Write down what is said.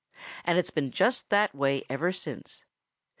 And it's been just that way ever since.